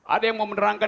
ada yang mau menerangkan